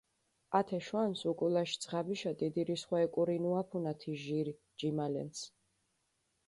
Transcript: ათე შვანს უკულაში ძღაბიშა დიდი რისხვა ეკურინუაფუნა თი ჟირი ჯიმალენს.